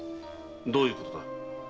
どういうことだ？